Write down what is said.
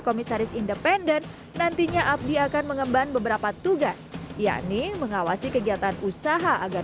komisaris independen nantinya abdi akan mengemban beberapa tugas yakni mengawasi kegiatan usaha agar